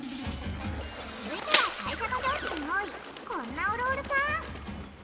続いては会社の上司に多いこんなおるおるさん。